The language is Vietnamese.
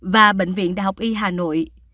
và bệnh viện đại học y hà nội